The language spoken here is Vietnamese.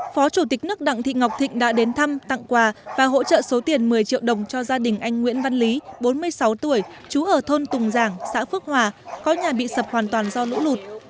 phó chủ tịch nước đặng thị ngọc thịnh đã đến thăm tặng quà và hỗ trợ số tiền một mươi triệu đồng cho gia đình anh nguyễn văn lý bốn mươi sáu tuổi trú ở thôn tùng giảng xã phước hòa có nhà bị sập hoàn toàn do lũ lụt